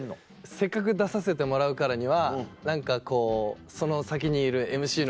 せっかく出させてもらうからには何かこうその先にいるＭＣの方とか。